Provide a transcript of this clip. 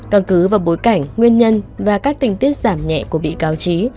cần cứ vào bối cảnh nguyên nhân và các tình tiết giảm nhẹ của vị cao trí